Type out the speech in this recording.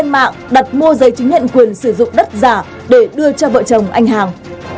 nguyễn văn hải đã lên mạng đặt mua giấy chứng nhận quyền sử dụng đất giả để đưa cho vợ chồng anh hàng